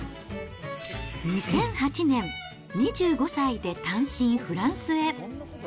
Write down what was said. ２００８年、２５歳で単身フランスへ。